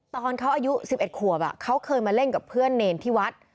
ตอนเขาอายุ๑๑ขวบเขาเคยมาเล่นกับเพื่อนเนรที่วัด